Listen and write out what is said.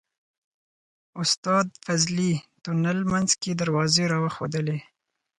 استاد فضلي تونل منځ کې دروازې راوښودلې.